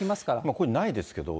これ、ないですけど。